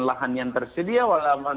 lahan yang tersedia walau